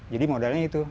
jadi modalnya itu